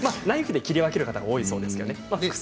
ナイフで切り分ける方が多いそうですけどね。